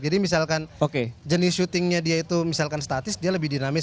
jadi misalkan jenis shootingnya dia itu misalkan statis dia lebih dinamis